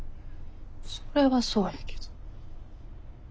それはそうやけど。